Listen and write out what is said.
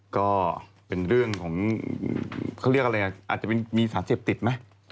ก็เป็นเรื่องของเขาเรียกอะไรอ่ะอาจจะเป็นมีสารเสพติดไหม